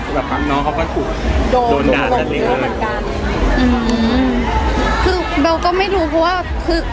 ค่ะเป็นยังไงคือแบบพักน้องเขาก็โดนโดน